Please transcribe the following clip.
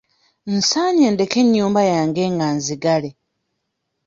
Nsaanye ndeke ennyumba yange nga nzigale.